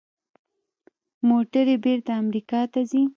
موټرې بیرته امریکا ته ځي.